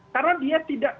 karena dia tidak